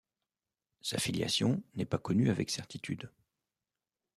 Sa filiation n'est pas connue avec certitude.